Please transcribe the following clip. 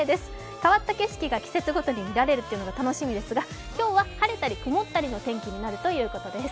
変わった景色が季節ごとに見られるというのが楽しみですが今日は晴れたり曇ったりの天気になるということです。